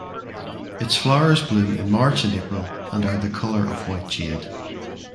Its flowers bloom in March and April and are the colour of white jade.